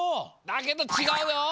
だけどちがうよ。